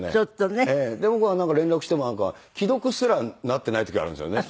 で僕が連絡してもなんか既読すらなっていない時あるんですよね。